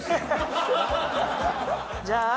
じゃあ。